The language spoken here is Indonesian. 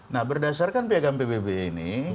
nah berdasarkan piagam pbb ini